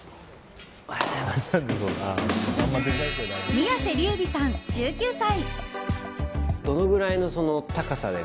宮世琉弥さん、１９歳。